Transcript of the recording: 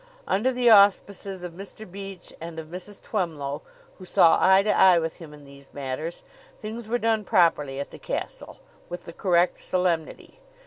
Under the auspices of Mr. Beach and of Mrs. Twemlow, who saw eye to eye with him in these matters, things were done properly at the castle, with the correct solemnity.